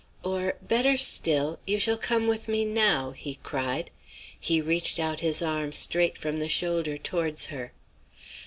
'Or, better still, you shall come with me now,' he cried. He reached out his arm straight from the shoulder towards her.